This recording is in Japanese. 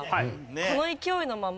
この勢いのまま。